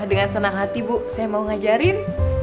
dengan senang hati bu saya mau ngajarin